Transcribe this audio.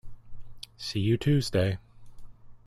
See you Tuesday!